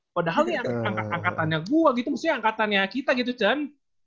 padahal ini angkatannya gua gitu maksudnya angkatannya kita gitu can